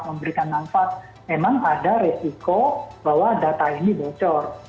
memberikan manfaat memang ada resiko bahwa data ini bocor